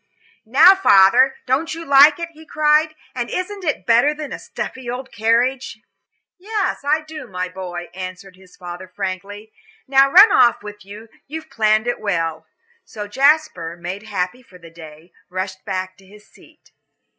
"Now, father, don't you like it?" he cried. "And isn't it better than a stuffy old carriage?" "Yes, I do, my boy," answered his father, frankly. "Now run off with you, you've planned it well." So Jasper, made happy for the day, rushed back to his seat.